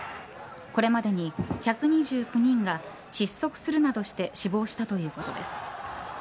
これまでに１２９人が窒息するなどして死亡したということです。